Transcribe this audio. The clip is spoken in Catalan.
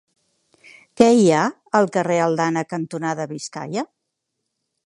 Què hi ha al carrer Aldana cantonada Biscaia?